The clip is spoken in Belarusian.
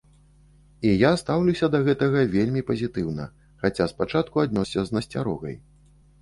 І я стаўлюся да гэтага вельмі пазітыўна, хаця спачатку аднёсся з насцярогай.